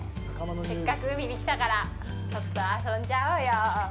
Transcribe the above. せっかく海に来たからちょっと遊んじゃおうよ。